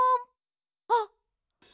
あっ！